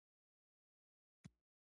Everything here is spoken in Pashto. طالب پالنې فرهنګ لا غښتلی شي.